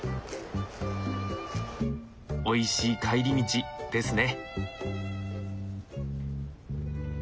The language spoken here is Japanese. おいしい帰り道ですね。